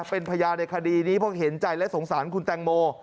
เป็นพยานในคดีนี้เพราะเห็นใจและสงสารคุณแตงโม